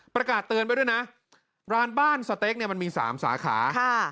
ประกาศเตือนไว้ด้วยนะร้านบ้านสเต๊กเนี่ยมันมี๓สาขา